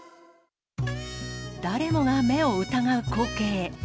誰もが目を疑う光景。